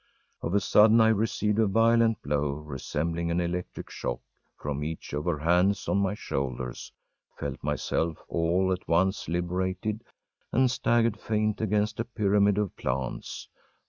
Of a sudden I received a violent blow, resembling an electric shock, from each of her hands on my shoulders, felt myself all at once liberated, and staggered faint against a pyramid of plants.